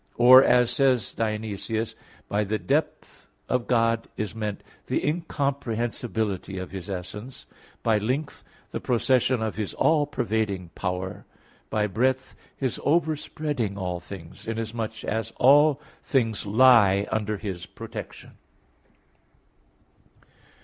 Or, as says Dionysius (Div. Nom. ix), by the depth of God is meant the incomprehensibility of His essence; by length, the procession of His all pervading power; by breadth, His overspreading all things, inasmuch as all things lie under His protection.